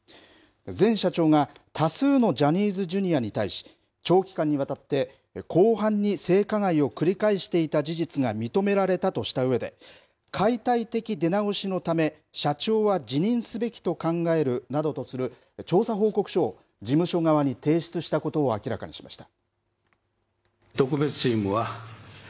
前社長が多数のジャニーズＪｒ．に対し、長期間にわたって、広範に性加害を繰り返していた事実が認められたとしたうえで、解体的出直しのため、社長は辞任すべきと考えるなどとする調査報告書を事務所側に提出したことを明らかにしました。